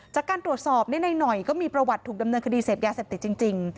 จากการตรวจสอบในหน่อยก็มีประวัติถูกดำเนินคดีเสพยาเสพติดจริง